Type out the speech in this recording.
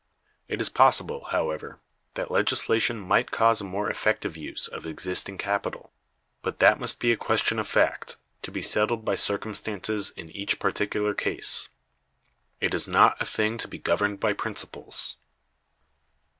It is possible, however, that legislation might cause a more effective use of existing capital; but that must be a question of fact, to be settled by circumstances in each particular case. It is not a thing to be governed by principles.